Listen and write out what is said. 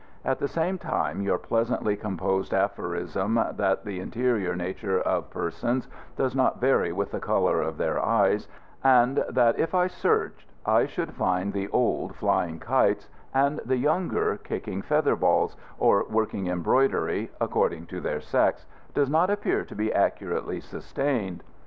At the same time your pleasantly composed aphorism that the interior nature of persons does not vary with the colour of their eyes, and that if I searched I should find the old flying kites and the younger kicking feather balls or working embroidery, according to their sex, does not appear to be accurately sustained.